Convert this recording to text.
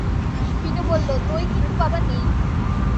বিনু বলল, দৈ কিন্তু বাবা নেই।